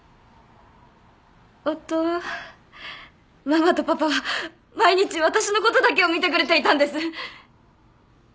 ママとパパは毎日私のことだけを見てくれていたんです。